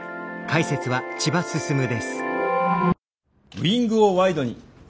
ウイングをワイドに！